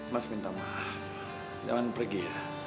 mas minta maaf jangan pergi ya